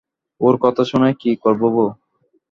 ওর কথা শুনে কী করবে বৌ?